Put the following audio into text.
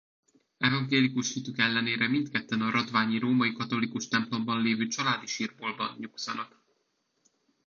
Evangélikus hitük ellenére mindketten a radványi római katolikus templomban lévő családi sírboltban nyugszanak.